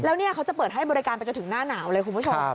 แล้วเนี่ยเขาจะเปิดให้บริการไปจนถึงหน้าหนาวเลยคุณผู้ชม